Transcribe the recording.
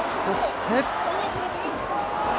そして。